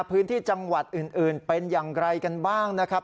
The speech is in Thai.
พื้นที่จังหวัดอื่นเป็นอย่างไรกันบ้างนะครับ